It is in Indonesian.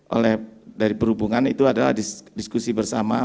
oleh dari perhubungan itu adalah diskusi bersama